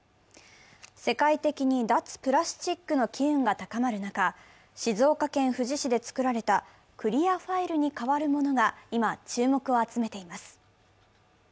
世界的に脱プラスチックの気運が高まる中、静岡県富士市で作られたクリアファイルに代わるものが今、注目を集めています。